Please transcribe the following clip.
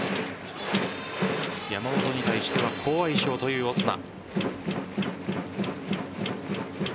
山本に対しては好相性というオスナ